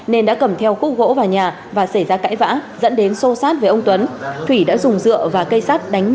nên đã cầm theo khúc gỗ vào nhà và xảy ra cãi vã dẫn đến sô sát về ông tuấn